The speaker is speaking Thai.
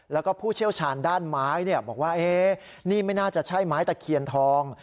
แล้วก็ผู้เชี่ยวชาญด้านไม้บอกว่านี่ไม่น่าจะใช่ไม้ตะเคียนทอง